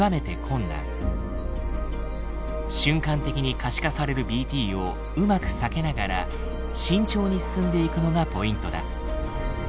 瞬間的に可視化されるＢＴをうまく避けながら慎重に進んでいくのがポイントだ。